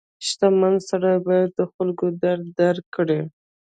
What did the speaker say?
• شتمن سړی باید د خلکو درد درک کړي.